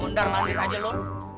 ondang landir aja lo